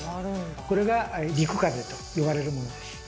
これが「陸風」と呼ばれるものです。